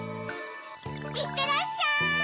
いってらっしゃい！